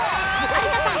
有田さん